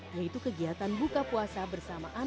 yaitu kegiatan buka puasa bersama anak